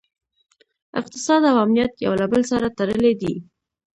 اقتصاد او امنیت یو له بل سره تړلي دي